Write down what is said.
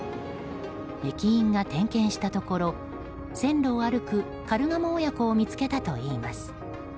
駅員が点検したところ線路を歩くカルガモ親子を見つけたといいます。